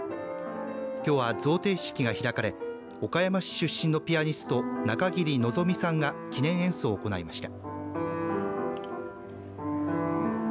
きょうは贈呈式が開かれ岡山市出身のピアニスト中桐望さんが記念演奏を行いました。